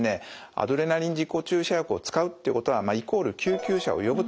アドレナリン自己注射薬を使うということはイコール救急車を呼ぶと。